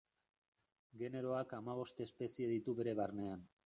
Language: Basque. Generoak hamabost espezie ditu bere barnean.